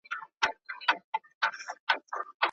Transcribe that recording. اوس آخره زمانه ده په انسان اعتبار نسته